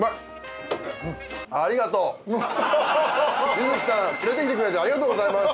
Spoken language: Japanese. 柚月さん連れてきてくれてありがとうございます！